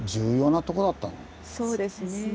そうですね。